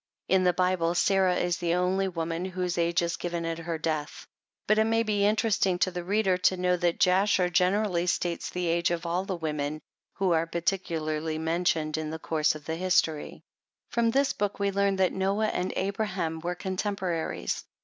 TRANSLATOR'S PREFACE. xill In the Bible, Sarah is the only woman whose age is given at her death ; but it may be interesting to the reader to know, that Jasher generally states the ages of all the women who are particularly mentioned in the course of the history. From this book we learn that Noah and Abraham were contemporaries.